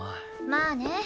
まあね。